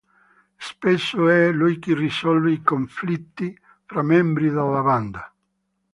Spesso è lui che risolve i conflitti fra membri della band.